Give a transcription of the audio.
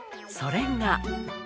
それが。